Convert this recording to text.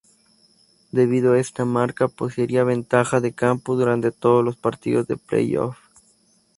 Debido a esta marca poseería ventaja de campo durante todos los partidos de playoff.